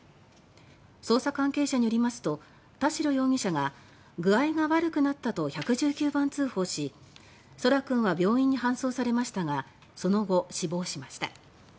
捜査関係者によりますと田代容疑者が具合が悪くなったと１１９番通報し空来君は病院に搬送されましたがその後、死亡しました。